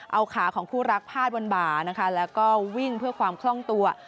เอาขาของคู่รักพาดบนบ่านะคะแล้วก็วิ่งเพื่อความคล่องตัว